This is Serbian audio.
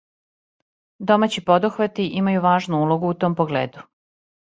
Домаћи подухвати имају важну улогу у том погледу.